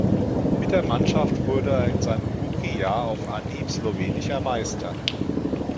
Mit der Mannschaft wurde er in seinem Rookiejahr auf Anhieb Slowenischer Meister.